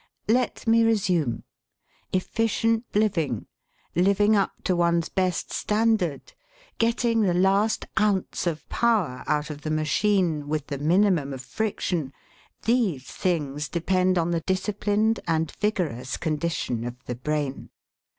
Let me resume. Efficient living, living up to one's best standard, getting the last ounce of power out of the machine with the minimum of friction: these things depend on the disciplined and vigorous condition of the brain.